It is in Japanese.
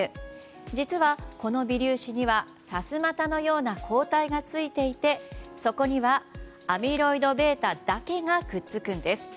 実はこの微粒子にはさすまたのような抗体がついていてそこには、アミロイドβだけがくっつくんです。